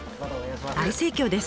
大盛況です。